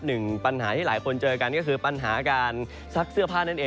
หนึ่งปัญหาที่หลายคนเจอกันก็คือปัญหาการซักเสื้อผ้านั่นเอง